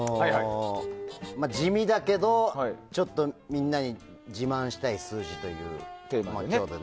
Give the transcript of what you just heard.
地味だけど、ちょっとみんなに自慢したい数字ということで。